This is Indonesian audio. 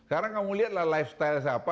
karena kamu lihatlah lifestyle saya apa